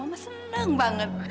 mama seneng banget